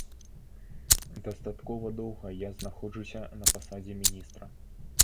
Дастаткова доўга я знаходжуся на пасадзе міністра.